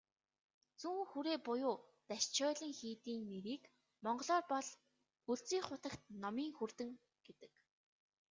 Зүүн хүрээ буюу "Дашчойлин" хийдийн нэрийг монголоор бол "Өлзий хутагт номын хүрдэн" гэдэг.